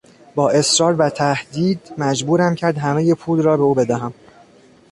با اصرار و تهدید مجبورم کرد همهی پول را به او بدهم.